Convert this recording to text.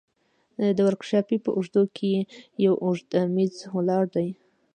د ورکشاپ په اوږدو کښې يو اوږد مېز ولاړ دى.